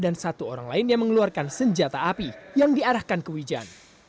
dan satu orang lain yang mengeluarkan senjata api yang diarahkan ke wijan